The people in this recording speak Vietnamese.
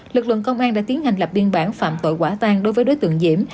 lực lượng công an đã tiến hành lập biên bản phạm tội quả tan đối với đối tượng diễm